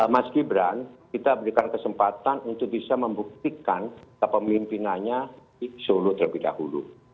mas gibran kita berikan kesempatan untuk bisa membuktikan kepemimpinannya di solo terlebih dahulu